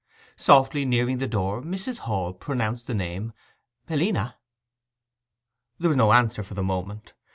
Softly nearing the door, Mrs. Hall pronounced the name 'Helena!' There was no answer for the moment.